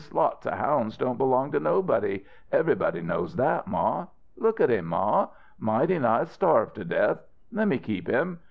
Lots of hounds don't belong to nobody everybody knows that, Ma. Look at him, Ma. Mighty nigh starved to death. Lemme keep him.